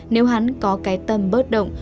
nếu hắn có cái tâm bớt động